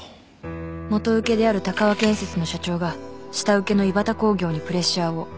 元請けである鷹和建設の社長が下請けのイバタ工業にプレッシャーを